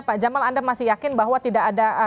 pak jamal anda masih yakin bahwa tidak ada